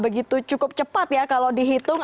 begitu cukup cepat ya kalau dihitung